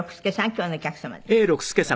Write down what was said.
今日のお客様です。